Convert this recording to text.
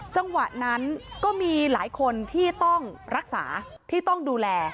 จังหวะนั้นก็มีหลายคนที่ต้องรักษาที่ต้องดูแล